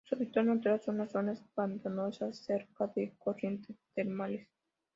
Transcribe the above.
Su hábitat natural son las zonas pantanosas cerca de corrientes termales.